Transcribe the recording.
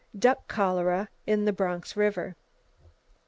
Duck Cholera In The Bronx River.